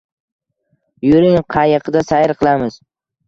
Yuring, qayiqda sayr qilamiz.